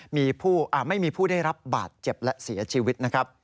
ไม่มีผู้ได้รับบาตเจ็บและเสียชีวิต